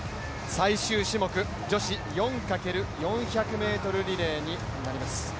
最終種目女子４×４００ｍリレーになります。